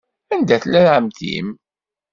Anda tella ɛemmti-m?